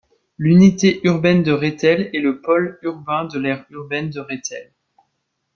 L'unité urbaine de Rethel est le pôle urbain de l'aire urbaine de Rethel.